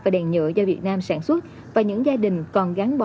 là bán tờ làm ảm